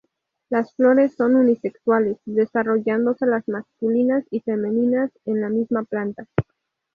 Las flores son unisexuales, desarrollándose las masculinas y femeninas en la misma planta.